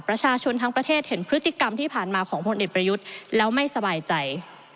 ประชาชนทั้งประเทศเห็นพฤติกรรมที่ผ่านมาของพลเอกประยุทธ์แล้วไม่สบายใจ